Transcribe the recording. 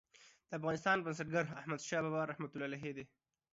د افغانستان بنسټګر احمدشاه بابا رحمة الله علیه دی.